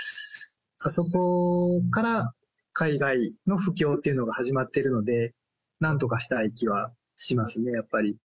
あそこから海外の布教っていうのが始まっているので、なんとかしたい気はしますね、やっぱり。